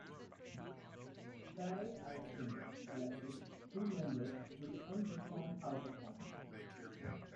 Bere Alston elected two members to the Unreformed House of Commons.